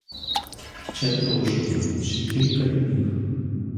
Ще трошки, ще кілька днів.